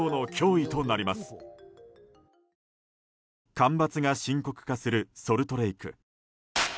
干ばつが深刻化するソルトレーク。